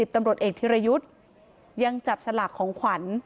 ตำรวจเอกธิรยุทธ์ยังจับสลากของขวัญ